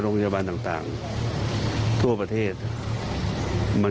ขอเลื่อนสิ่งที่คุณหนูรู้สึก